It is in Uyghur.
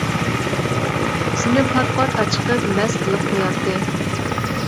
سېنى پات-پات ئاچىقىپ مەست قىلىپ قوياتتى.